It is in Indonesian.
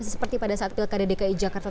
seperti pada saat pil kd dki jakarta